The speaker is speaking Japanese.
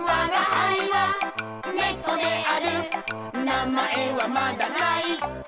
「名前はまだ無い」